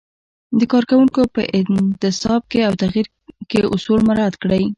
د کارکوونکو په انتصاب او تغیر کې اصول مراعت کړئ.